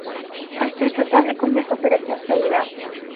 Ás tres da tarde comeza a operación saída.